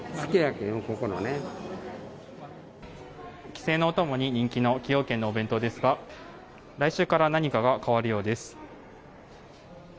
帰省のお供に人気の崎陽軒のお弁当ですが来週から何かが変わるようです。